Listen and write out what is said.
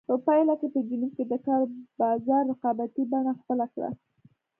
په پایله کې په جنوب کې د کار بازار رقابتي بڼه خپله کړه.